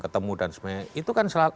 ketemu dan semuanya itu kan